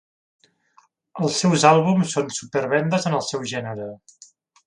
Els seus àlbums són supervendes en el seu gènere.